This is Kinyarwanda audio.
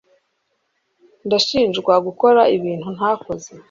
Ndashinjwa gukora ibintu ntakoze.